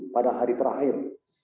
pada hari terakhir